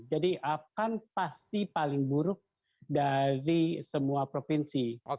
jadi akan pasti paling buruk dari semua provinsi